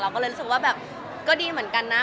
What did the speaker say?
ก็เลยรู้สึกว่าแบบก็ดีเหมือนกันนะ